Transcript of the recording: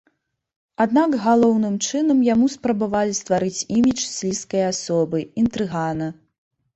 Аднак галоўным чынам яму спрабавалі стварыць імідж слізкай асобы, інтрыгана.